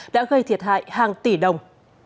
đã gây thiệt hại hàng tỷ đồng